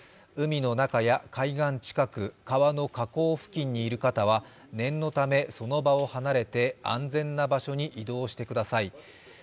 海の中や海岸近く、川の河口付近にいる方は念のためその場を離れて安全な場所へ移動してください。